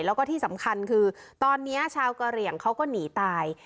แล้วก็ที่สำคัญคือตอนนี้ชาวกะเหลี่ยงเขาก็หนีตาย